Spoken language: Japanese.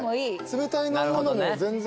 冷たい飲み物も全然。